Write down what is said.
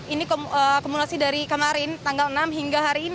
ini akumulasi dari kemarin tanggal enam hingga hari ini